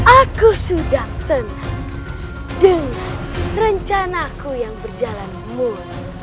aku sudah senang dengan rencanaku yang berjalan mulus